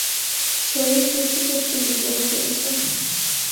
শরীর সত্যি সত্যি বিদ্রোহ করেছে।